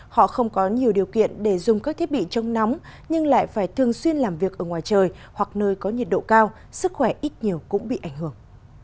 họ không có nhiều điều kiện để dùng các thiết bị trong nóng nhưng lại phải thường xuyên làm việc ở ngoài trời hoặc nơi có nhiệt độ cao sức khỏe ít nhiều cũng bị ảnh hưởng